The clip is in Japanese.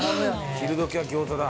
昼時は餃子だ。